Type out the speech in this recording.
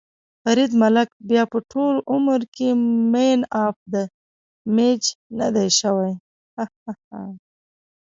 فرید ملک بیا به ټول عمر کې مېن اف ده مېچ ندی شوی.ههه